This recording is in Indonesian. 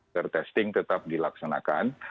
ter testing tetap dilaksanakan